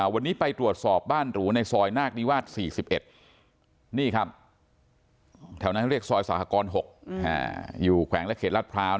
วันนี้ไปตรวจสอบบ้านหรูในซอยนาคนีวาส๔๑